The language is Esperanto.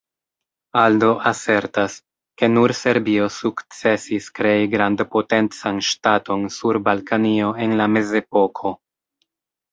Aldo asertas, ke nur Serbio sukcesis krei grandpotencan ŝtaton sur Balkanio en la mezepoko.